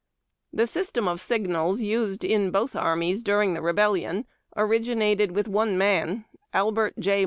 The svstem of signals used in botli armies during the Rebellion originated with one man — Albert J.